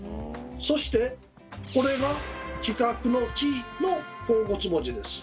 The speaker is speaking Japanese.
そしてこれが企画の「企」の甲骨文字です。